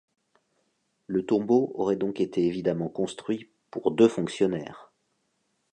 Le tombeau aurait donc été évidemment construit pour deux fonctionnaires.